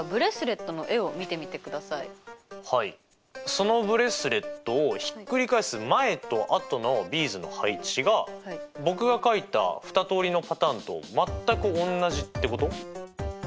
そのブレスレットをひっくり返す前と後のビーズの配置が僕が描いた２通りのパターンと全くおんなじってこと？